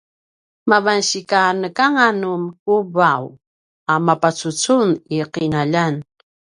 manasika nekanganu kubav a mapacucun i ’inaljan